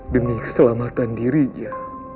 demi keselamatan dirinya